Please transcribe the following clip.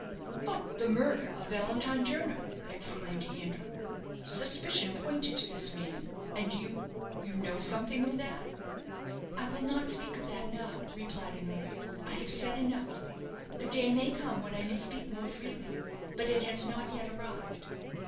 "But the murder of Valentine Jernam!" exclaimed Andrew. "Suspicion pointed to this man; and you you know something of that?" "I will not speak of that now," replied Honoria. "I have said enough. The day may come when I may speak more freely; but it has not yet arrived.